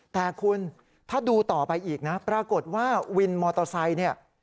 แต่คุณถ้าดูต่อไปอีกนะปรากฏว่าวินมอเตอร์ไซค์เนี่ย